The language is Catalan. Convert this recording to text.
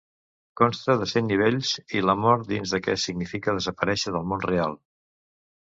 Consta de cent nivells, i la mort dins d'aquest significa desaparèixer del món real.